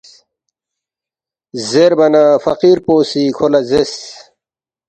زیربا نہ فقیر پو سی کھو لہ زیرس،